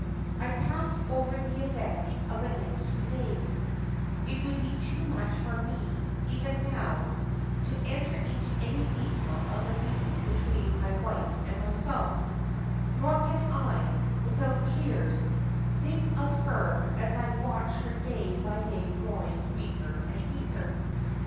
I pass over the events of the next few days—it would be too much for me, even now, to enter into any detail of the meeting between my wife and myself; nor can I, without tears, think of her as I watched her day by day growing weaker and weaker.